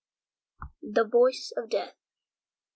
The Voice of Death.